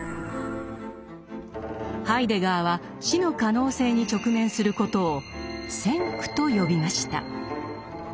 ハイデガーは死の可能性に直面することを「先駆」と呼びました。